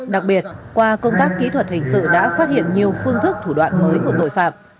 đặc biệt qua công tác kỹ thuật hình sự đã phát hiện nhiều phương thức thủ đoạn mới của tội phạm